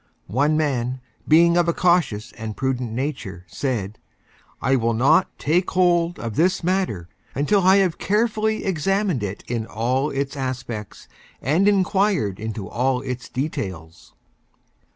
One Man, being of a Cautious and Prudent Nature, said: "I will not Take Hold of this Matter until I have Carefully Examined it in All its Aspects and Inquired into All its Details."